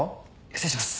失礼します。